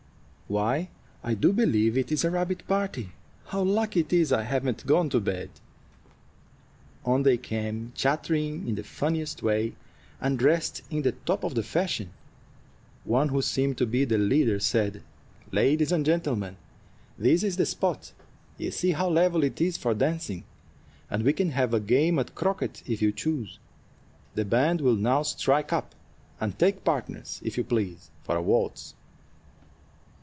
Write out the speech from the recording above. "Why, I do believe it is a rabbit party. How lucky it is I haven't gone to bed!" On they came, chattering in the funniest way, and dressed in the top of the fashion. One who seemed to be the leader said: "Ladies and gentlemen, this is the spot. You see how level it is for dancing, and we can have a game at croquet if you choose. The band will now strike up; and take partners, if you please, for a waltz."